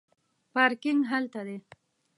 پارکینګ هلته دی